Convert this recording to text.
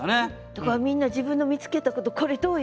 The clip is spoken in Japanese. だからみんな自分の見つけたことこれどうよ？